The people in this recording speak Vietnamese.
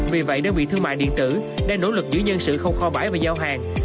vì vậy đơn vị thương mại điện tử đang nỗ lực giữ nhân sự không kho bãi và giao hàng